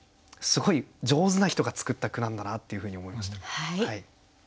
すごい上手な人が作った句なんだなっていうふうに思いました。